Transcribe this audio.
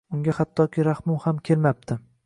Unga hattoki rahmim ham kelmapti.